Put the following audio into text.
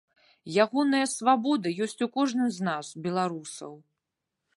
Ягоная свабода ёсць у кожным з нас, беларусаў.